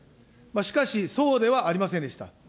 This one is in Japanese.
しかし、そうではありませんでした。